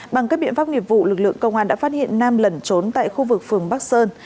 bằng các biện pháp nghiệp vụ lực lượng công an đã phát hiện nam lẩn trốn tại khu vực phường bắc sơn